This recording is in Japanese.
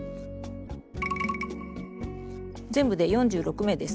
全部で４６目です。